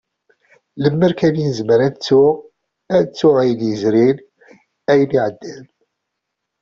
Lemmer kan i nezmir ad nettu, ad nettu ayen yezrin, ayen iɛeddan.